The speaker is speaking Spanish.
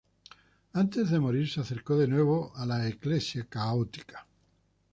Antes de morir se acercó de nuevo a la Iglesia católica.